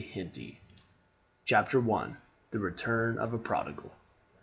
Henty CHAPTER I: The Return of a Prodigal.